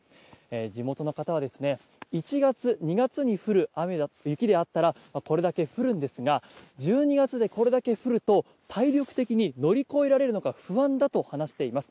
地元の方は１月、２月に降る雪だったらこれだけ降るんですが１２月でこれだけ降ると体力的に乗り越えられるのか不安だと話しています。